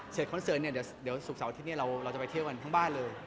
เซ็ทคอนเซิร์ตสุดสาวนี้เราจะไปเที่ยวกันทั้งบ้านเลย